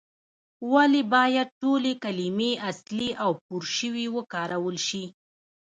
ولې باید ټولې کلمې اصلي او پورشوي وکارول شي؟